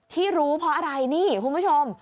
ที่รู้เพราะอะไรนี่คุณผู้ชม